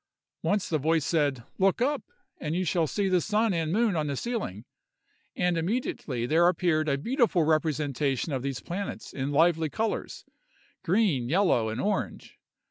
Once the voice said, "Look up, and you shall see the sun and moon on the ceiling!" and immediately there appeared a beautiful representation of these planets in lively colors, viz., green, yellow, and orange.